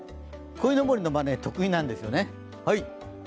こいのぼりのまね、得意なんですよね。